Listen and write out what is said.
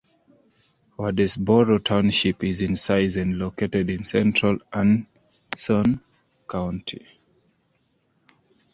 Wadesboro Township is in size and located in central Anson County.